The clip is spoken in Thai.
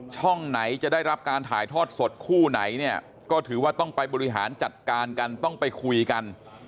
ช่องไหนจะได้รับการถ่ายทอดสดคู่ไหนเนี่ยก็ถือว่าต้องไปบริหารจัดการกันต้องไปคุยกัน